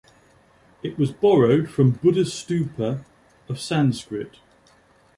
It was borrowed from "buddhastupa" of Sanskrit.